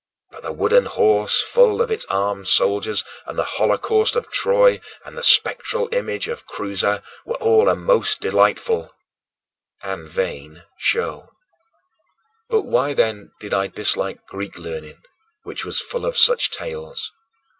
But the wooden horse full of its armed soldiers, and the holocaust of Troy, and the spectral image of Creusa were all a most delightful and vain show! 23. But why, then, did I dislike Greek learning, which was full of such tales?